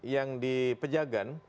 yang di pejagan